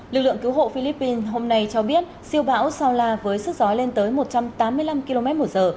lực lượng cứu hộ philippines hôm nay cho biết siêu bão sao la với sức gió lên tới một trăm tám mươi năm km một giờ